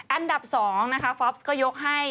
อันดับ๒นะคะฟอล์ฟก็ยกให้